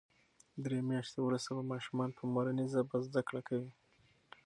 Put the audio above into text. درې میاشتې وروسته به ماشومان په مورنۍ ژبه زده کړه کوي.